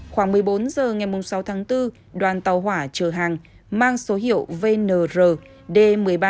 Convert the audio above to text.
khoảng một mươi bốn h ngày sáu tháng bốn đoàn tàu hỏa chở hàng mang số hiệu vnr d một mươi ba